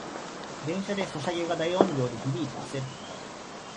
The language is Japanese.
電車でソシャゲが大音量で響いてあせる